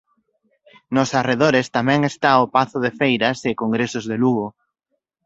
Nos arredores tamén está o Pazo de Feiras e Congresos de Lugo.